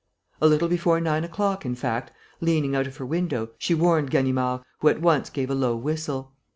A little before nine o'clock, in fact, leaning out of her window, she warned Ganimard, who at once gave a low whistle.